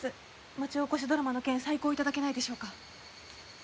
町おこしドラマの件再考頂けないでしょうか？